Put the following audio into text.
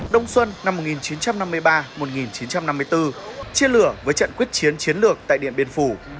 đông xuân năm một nghìn chín trăm năm mươi ba một nghìn chín trăm năm mươi bốn chia lửa với trận quyết chiến chiến lược tại điện biên phủ